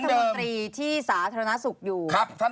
เหมือนเดิมที่สรรพ์รัฐพรรณนาศุกร์อยู่